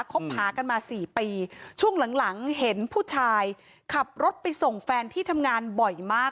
คบหากันมาสี่ปีช่วงหลังหลังเห็นผู้ชายขับรถไปส่งแฟนที่ทำงานบ่อยมาก